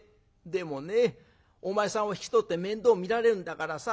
でもねお前さんを引き取って面倒見られるんだからさ。